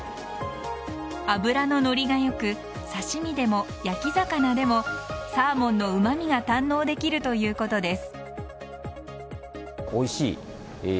脂の乗りがよく刺し身でも焼き魚でもサーモンのうま味が堪能できるということです。